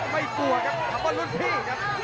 ไม่กลัวครับข้างบนร่วมพี่ครับ